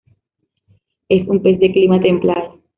Es un pez de clima templado.